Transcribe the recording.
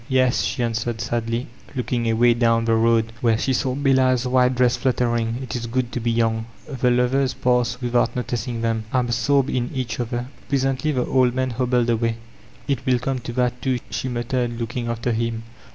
"Yes,*' she answered sadly, looking away down the road where she saw Bella's white dress fluttering, "it is good to be young/' The lovers passed without noticing them, absorbed in each other. Presently the old man hobbled away. "It win come to that too, she muttered looking after him.